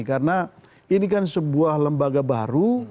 karena ini kan sebuah lembaga baru